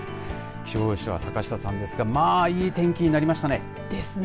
気象予報士は坂下さんですがまあいい天気になりましたね。ですね。